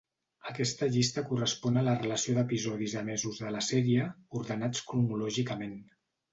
Aquesta llista correspon a la relació d'episodis emesos de la sèrie, ordenats cronològicament.